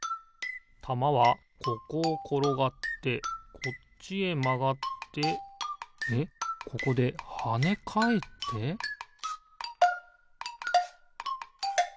たまはここをころがってこっちへまがってえっここではねかえってピッ！